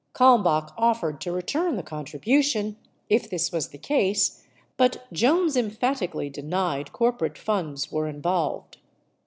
Kalmbach offered to return the contribu tion, if this was the case, but Jones emphatically denied corporate funds were involved.